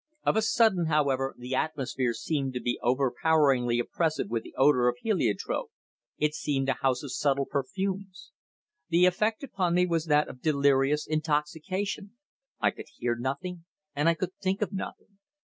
Of a sudden, however, the atmosphere seemed to be overpoweringly oppressive with the odour of heliotrope. It seemed a house of subtle perfumes! The effect upon me was that of delirious intoxication. I could hear nothing and I could think of nothing.